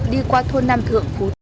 đi qua thôn nam thượng phú thị